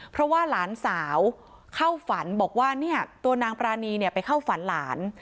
เพราะว่าหลานสาวเข้าฝันบอกว่าเนี่ยตัวนางปรานีไปเข้าฝันหลาน